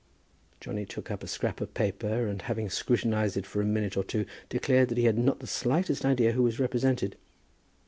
Johnny took up a scrap of paper, and having scrutinized it for a minute or two declared that he had not the slightest idea who was represented.